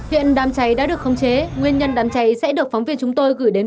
hiện đám cháy đã được khống chế nguyên nhân đám cháy sẽ được phóng viên chúng tôi gửi đến